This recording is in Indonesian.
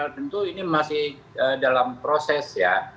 tentu ini masih dalam proses ya